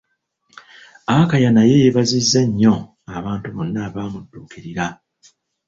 Akaya naye yeebaza nnyo abantu bonna abaamuddukirira.